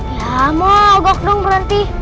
ya mau gok dong berhenti